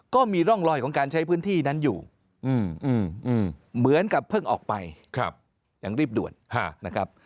ก็มีร่องรอยของการใช้พื้นที่นั้นอยู่เหมือนกับเพิ่งออกไปอย่างรีบด่วนนะครับ